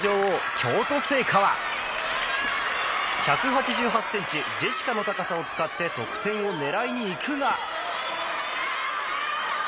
京都精華は１８８ｃｍジェシカの高さを使って得点を狙いに行くが。